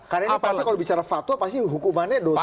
karena kalau bicara fatwa pasti hukumannya dosa